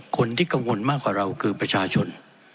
คนที่กังวลมากกว่าเราคือประชาชน